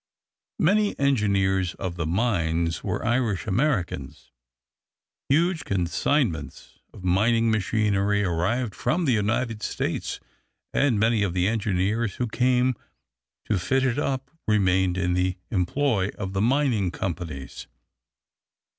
Many engineers of the mines were Irish Americans. Huge consignments of mining machinery arrived from the United States, and many of the engineers who came to fit it up remained in the employ of the mining companies.